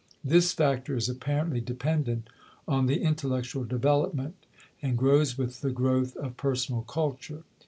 This factor is apparently dependent on the intellectual development and grows with the growth of personal culture.